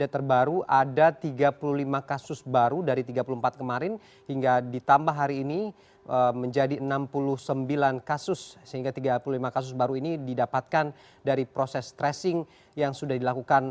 terima kasih selesai